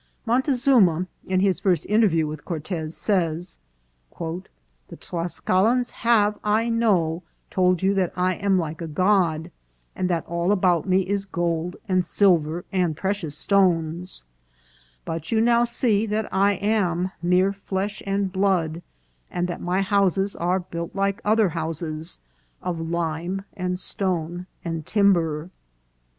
Montezuma, in his first interview with Cortez, says, " The Tlascalans have, I know, told you that I am like a god, and that all about me is gold, and silver, and precious stones ; but you now see that I am mere flesh and blood, and that my houses are built like other houses, of lime, and stone, and timber."